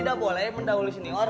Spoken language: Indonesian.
tidak boleh benda gulis di dalam toilet